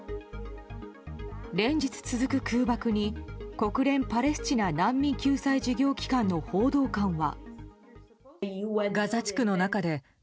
連日続く空爆に国連パレスチナ難民救済事業機関の報道官は。